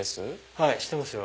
はい知ってますよ。